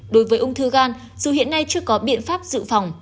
đối với ung thư gan dù hiện nay chưa có biện pháp dự phòng